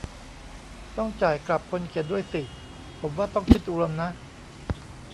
ต้องจ่ายกลับคนเขียนด้วยสิ ผมว่าต้องคิดรวมนะ